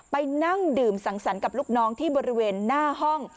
นั่งดื่มสังสรรค์กับลูกน้องที่บริเวณหน้าห้อง